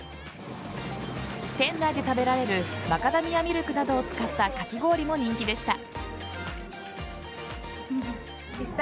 店内で食べられるマカダミアミルクなどを使ったかき氷も人気でした。